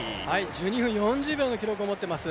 １２分４０秒の記録を持ってます。